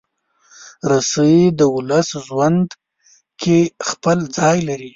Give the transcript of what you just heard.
رسۍ د ولس ژوند کې خپل ځای لري.